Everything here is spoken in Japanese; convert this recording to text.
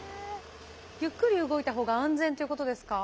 ゆっくり動いた方が安全ということですか？